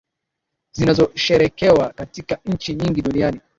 zinazosheherekewa katika nchi nyingi duniani